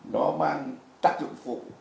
nó mang tác dụng phụ